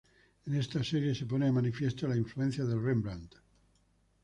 En esta serie se pone de manifiesto la influencia de Rembrandt.